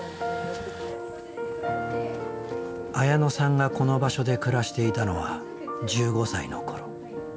綾乃さんがこの場所で暮らしていたのは１５歳の頃。